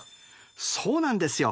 そうなんですよ。